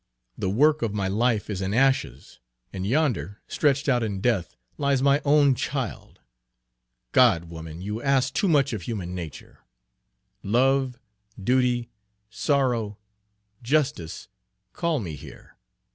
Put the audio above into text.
The work of my life is in ashes, and, yonder, stretched out in death, lies my own child! God! woman, you ask too much of human nature! Love, duty, sorrow, justice, call me here.